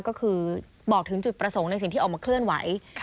ก็คือบอกถึงจุดประสงค์ในสิ่งที่ออกมาเคลื่อนไหว